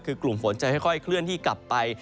คือกลุ่มฝนจะค่อยเคลื่อนที่กลับไป